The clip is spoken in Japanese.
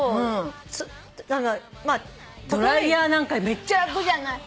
ドライヤーなんかめっちゃ楽じゃない？